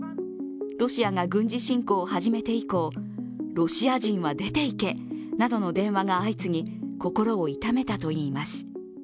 ロシアが軍事侵攻を始めて以降、ロシア人は出ていけなどの電話が相次ぎ心を痛めたといいます。